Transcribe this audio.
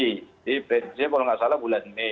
jadi prediksinya kalau tidak salah bulan mei